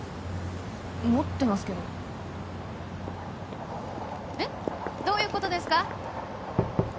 持ってますけどえっどういうことですか？